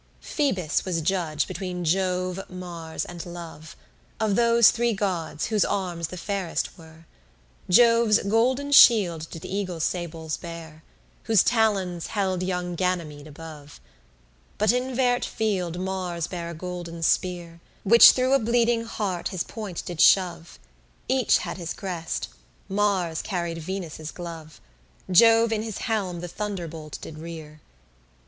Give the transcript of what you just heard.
13 Phoebus was judge between Jove, Mars, and Love, Of those three gods, whose arms the fairest were: Jove's golden shield did eagle sables bear, Whose talons held young Ganymede above: But in vert field Mars bare a golden spear, Which through a bleeding heart his point did shove: Each had his crest; Mars carried Venus' glove, Jove in his helm the thunderbolt did rear.